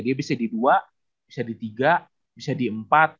dia bisa di dua bisa di tiga bisa di empat